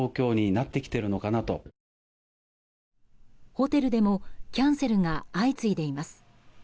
ホテルでもキャンセルが相次いでいます。